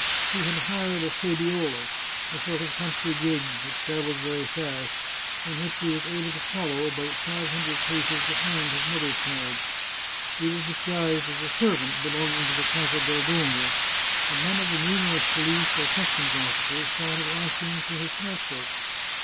He had hired a sediola — a sort of country g^g which travels very fast — in which he was able to follow about five hundred paces behind his mother's carriage. He was disguised as a servant be longing to the Casa del Dongo, and none of the numerous police or customs officers thought of asking him for his passport.